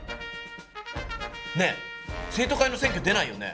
ねえ生徒会の選挙出ないよね？